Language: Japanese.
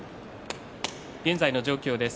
現在の状況です。